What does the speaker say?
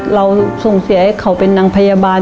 เราส่งเสียให้เขาเป็นนางพยาบาล